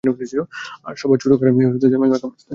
আর সবার ছোট Karishma Jamil makeup artist.